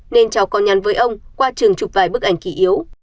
nên cháu có nhắn với ông qua trường chụp vài bức ảnh kỳ yếu